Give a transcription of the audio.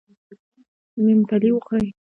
ممپلي و خورئ.